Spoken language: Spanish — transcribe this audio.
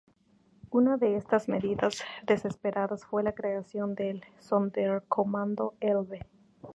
Una de estas medidas desesperadas fue la creación del Sonderkommando Elbe.